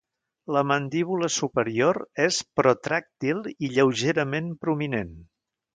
La mandíbula superior és protràctil i lleugerament prominent.